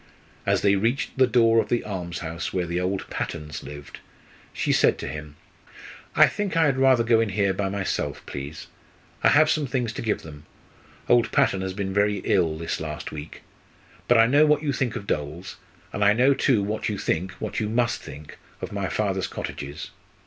As they reached the door of the almshouse where the old Pattons lived, she said to him: "I think I had rather go in here by myself, please. I have some things to give them old Patton has been very ill this last week but I know what you think of doles and I know too what you think, what you must think, of my father's cottages.